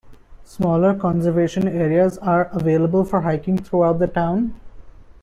Smaller conservation areas are available for hiking throughout the town.